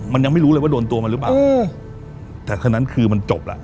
มันยังไม่รู้เลยว่าโดนตัวมันหรือเปล่าเออแต่คนนั้นคือมันจบล่ะ